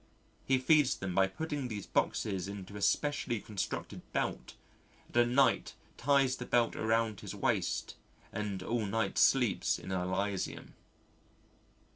He feeds them by putting these boxes into a specially constructed belt and at night ties the belt around his waist and all night sleeps in Elysium.